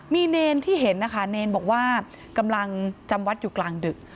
มีเนรที่เห็นนะคะเนรบอกว่ากำลังจำวัดอยู่กลางดึก